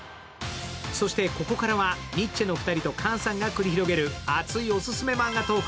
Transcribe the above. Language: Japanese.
そして、ここからはニッチェの２人と菅さんが繰り広げる熱いオススメマンガトーク。